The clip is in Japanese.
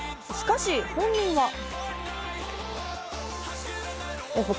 しかし本人は。